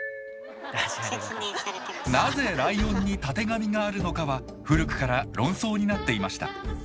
なぜライオンにたてがみがあるのかは古くから論争になっていました。